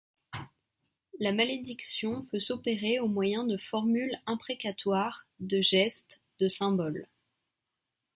La malédiction peut s'opérer au moyen de formules imprécatoires, de gestes, de symboles.